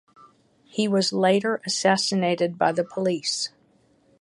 He was later assassinated by the police.